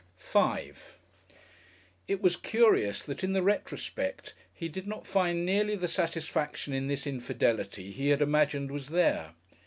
§5 It was curious that in the retrospect he did not find nearly the satisfaction in this infidelity he had imagined was there.